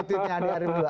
tweetnya andi arief dulu